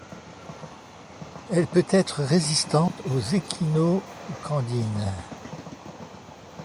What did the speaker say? Elle peut être résistante aux échinocandines.